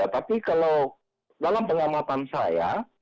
tapi kalau dalam pengamatan saya